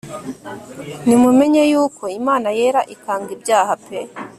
nimumenye yuko imana yera ikanga ibyaha pe !